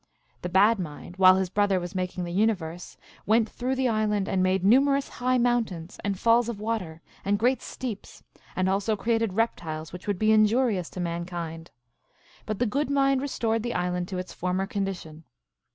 ... The Bad Mind, while his brother was making the universe, went through the island, and made numerous high mountains and falls of water and great steeps, and also created reptiles which would be injurious to man kind ; but the Good Mind restored the island to its former condition.